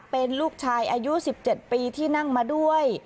เป็นลูกชายอายุ๑๗ปีที่นั่งมาด้วย